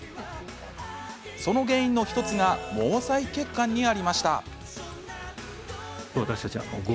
その原因の１つが毛細血管にありました。